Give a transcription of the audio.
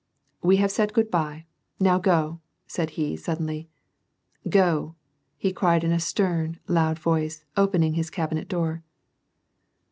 "We have said good by, now go I" said he, suddenly. " Go !" he cried, in a stern, loud voice, opeqing his cabinet door.